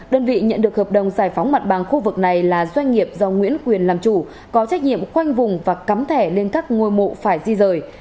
đơn vị nhận được hợp đồng giải phóng mặt bằng khu vực này là doanh nghiệp do nguyễn quyền làm chủ có trách nhiệm khoanh vùng và cắm thẻ lên các ngôi mộ phải di rời